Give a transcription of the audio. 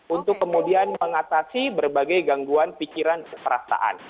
untuk kemudian mengatasi berbagai gangguan pikiran perasaan